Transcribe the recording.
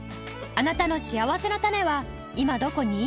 あなたのしあわせのたねは今どこに？